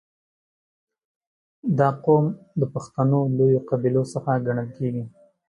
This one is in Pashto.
• دا قوم د پښتنو لویو قبیلو څخه ګڼل کېږي.